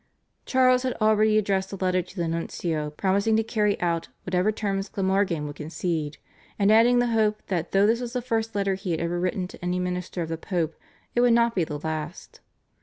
Charles had already addressed a letter to the nuncio promising to carry out whatever terms Glamorgan would concede, and adding the hope that though this was the first letter he had ever written to any minister of the Pope it would not be the last.